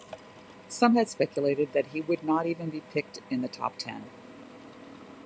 Some had speculated that he would not even be picked in the top ten.